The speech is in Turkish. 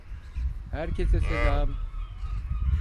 Herkese selam.